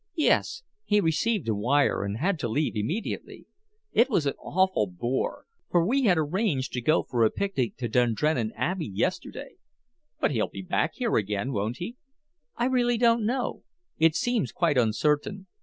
"Yes. He received a wire, and had to leave immediately. It was an awful bore, for we had arranged to go for a picnic to Dundrennan Abbey yesterday." "But he'll be back here again, won't he?" "I really don't know. It seems quite uncertain.